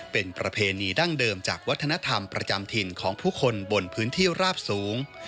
เป็นประเพณีดั้งเดิมจากวัฒนธรรมประจำถิ่นของผู้คนบนพื้นที่ราบสูง